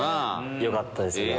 よかったですね。